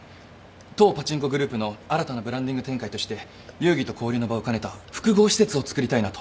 当パチンコグループの新たなブランディング展開として遊技と交流の場を兼ねた複合施設を造りたいなと。